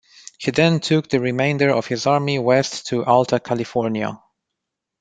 He then took the remainder of his army west to Alta California.